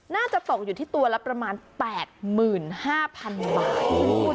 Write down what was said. น่าจะตกอยู่ที่ตัวละประมาณ๘๕๐๐๐บาท